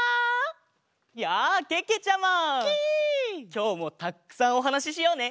きょうもたっくさんおはなししようね！